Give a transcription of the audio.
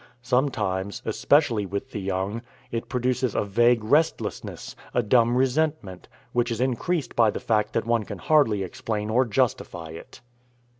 Sometimes, especially with the young, it produces a vague restlessness, a dumb resentment, which is increased by the fact that one can hardly explain or justify it.